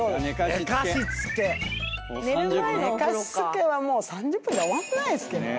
寝かしつけはもう３０分じゃ終わんないですけどね。